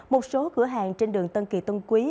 một số cửa hàng trên đường tân kỳ tân quý